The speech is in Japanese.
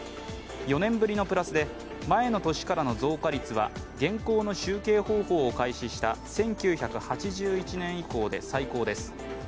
４年ぶりのプラスで前の年からの増加率は現行の集計方法を開始した１９８１年以降で最高です。